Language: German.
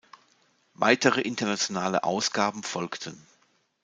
Weitere internationale Ausgaben folgten.